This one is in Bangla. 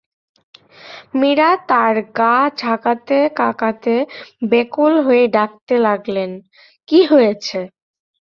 মীরা তাঁর গা ঝাঁকাতে-কাকাতে ব্যাকুল হয়ে ডাকতে লাগলেন, কী হয়েছে?